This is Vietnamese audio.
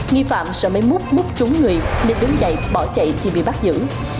nghi phạm sợ mấy mút mút trúng người nên đứng dậy bỏ chạy thì bị bắt giữ